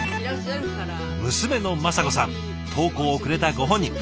娘の雅子さん投稿をくれたご本人。